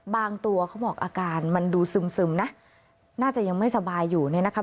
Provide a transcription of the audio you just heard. บางตัวเขาบอกอาการมันดูซึมนะน่าจะยังไม่สบายอยู่เนี่ยนะคะ